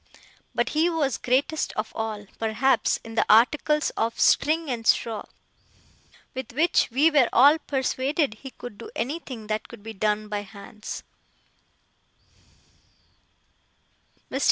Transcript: But he was greatest of all, perhaps, in the articles of string and straw; with which we were all persuaded he could do anything that could be done by hands.